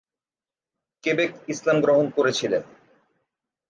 Quebec ইসলাম গ্রহণ করেছিলেন।